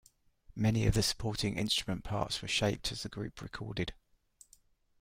Many of the supporting instrument parts were shaped as the group recorded.